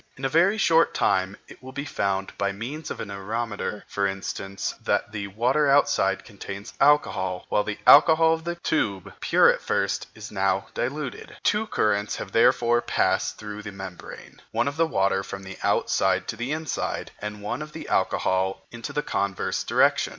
In a very short time it will be found, by means of an areometer for instance, that the water outside contains alcohol, while the alcohol of the tube, pure at first, is now diluted. Two currents have therefore passed through the membrane, one of water from the outside to the inside, and one of alcohol in the converse direction.